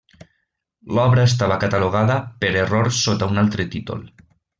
L'obra estava catalogada per error sota un altre títol.